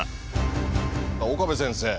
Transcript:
岡部先生